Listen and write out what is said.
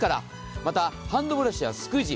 また、ハンドブラシやスクイージー